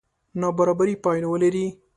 نابرابرې پایلې ولري.